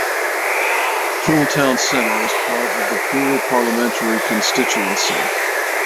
Poole Town Centre is part of the Poole parliamentary constituency.